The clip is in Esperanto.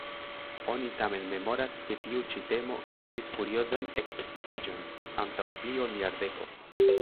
Oni tamen memoras, ke tiu ĉi temo kaŭzis furiozan ekscitiĝon antaŭ pli ol jardeko.